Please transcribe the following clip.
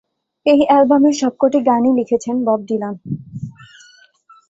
এই অ্যালবামের সবকটি গানই লিখেছেন বব ডিলান।